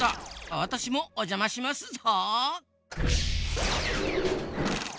わたしもおじゃましますぞ！